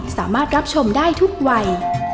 สามารถรับชมได้ทุกวัย